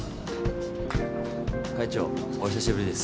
会長お久しぶりです。